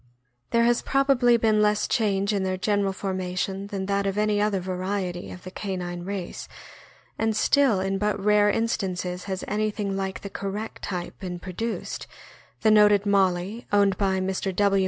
There has probably been less change in their general formation than that of any other variety of the canine race, and still in but rare instances has anything like the correct type been produced, the noted Molly, owned by Mr. W.